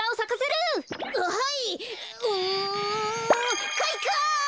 うんかいか！